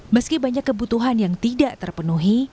meski banyak kebutuhan yang tidak terpenuhi